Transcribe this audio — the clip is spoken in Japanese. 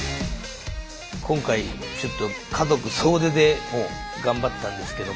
今回ちょっと家族総出で頑張ったんですけども。